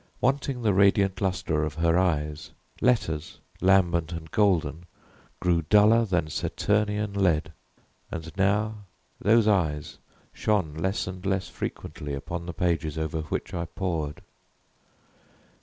Wanting the radiant luster of her eyes, letters, lambent and golden, grew duller than Saturnian lead. And now those eyes shone less and less frequently upon the pages over which I pored.